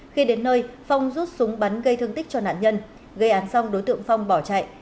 khi đến nơi phong rút súng bắn gây thương tích cho nạn nhân gây án xong đối tượng phong bỏ chạy